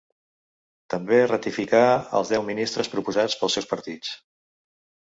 També ratificà els deu ministres proposats pels seus partits.